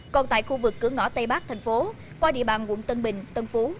còn tại khu vực cửa ngõ tây bắc thành phố qua địa bàn quận tân bình tân phú